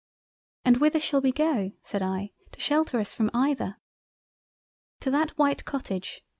"And whither shall we go (said I) to shelter us from either?" "To that white Cottage."